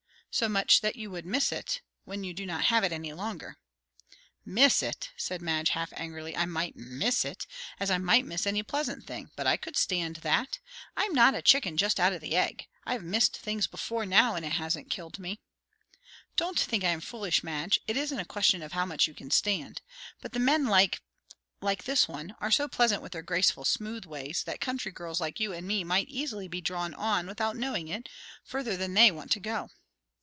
"So much that you would miss it, when you do not have it any longer." "Miss it!" said Madge, half angrily. "I might miss it, as I might miss any pleasant thing; but I could stand that. I'm not a chicken just out of the egg. I have missed things before now, and it hasn't killed me." "Don't think I am foolish, Madge. It isn't a question of how much you can stand. But the men like like this one are so pleasant with their graceful, smooth ways, that country girls like you and me might easily be drawn on, without knowing it, further than they want to go."